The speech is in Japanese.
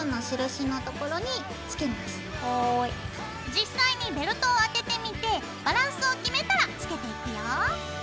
実際にベルトを当ててみてバランスを決めたらつけていくよ。